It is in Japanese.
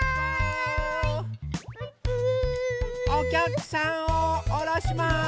おきゃくさんをおろします。